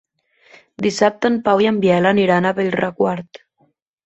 Dissabte en Pau i en Biel aniran a Bellreguard.